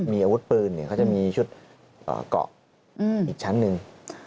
มีอาวุธปืนเขาจะมีชุดเกาะอีกชั้นหนึ่ง